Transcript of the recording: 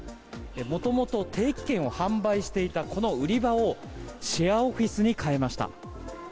もともと定期券を販売していたこの売り場をシェアオフィスに変えました。